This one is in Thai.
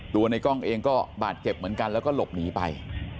ในกล้องเองก็บาดเจ็บเหมือนกันแล้วก็หลบหนีไป